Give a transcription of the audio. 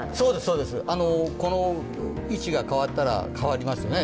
そうです、この位置が変わったら変わりますよね。